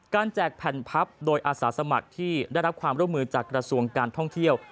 แจกแผ่นพับโดยอาสาสมัครที่ได้รับความร่วมมือจากกระทรวงการท่องเที่ยว